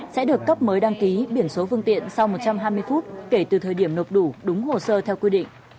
sẽ được cấp mới đăng ký biển số phương tiện sau một trăm hai mươi phút kể từ thời điểm nộp đủ đúng hồ sơ theo quy định